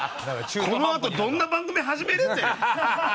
このあとどんな番組始めるんだよ！